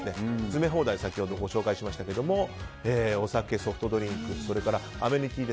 詰め放題は先ほどご紹介しましたがお酒、ソフトドリンクアメニティー